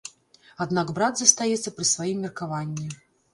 Аднак брат застаецца пры сваім меркаванні.